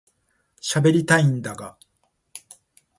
しゃべりたいんだが